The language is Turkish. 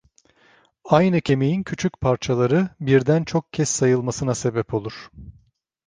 Aynı kemiğin küçük parçaları, birden çok kez sayılmasına sebep olur.